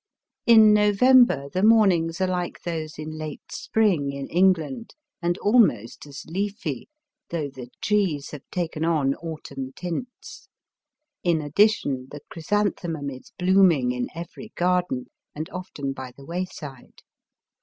In November the mornings are like those in late spring in England, and almost as leafy, though the trees have taken on autumn tintsi In addition the chrysanthemum is blooming in every garden, and often by the wayside.